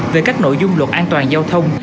về các nội dung luật an toàn giao thông